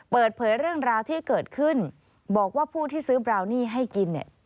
เปิดเผยเรื่องราวที่เกิดขึ้นบอกว่าผู้ที่ซื้อบราวนี่ให้กินเนี่ย